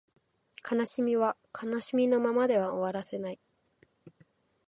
悲しみは悲しみのままでは終わらせない